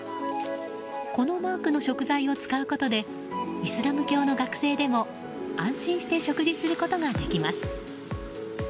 このマークの食材を使うことでイスラム教の学生でも安心して食事することができます。